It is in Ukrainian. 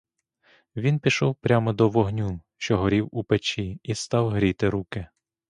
Він пішов прямо до вогню, що горів у печі і став гріти руки.